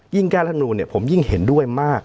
ยิ่งแก้ละนูนเนี่ยผมยิ่งเห็นด้วยมาก